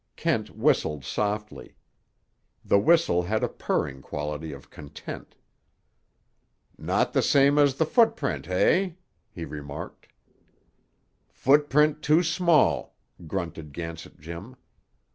Kent whistled softly. The whistle had a purring quality of content. "Not the same as the footprint, eh?" he remarked. "Footprint too small," grunted Gansett Jim.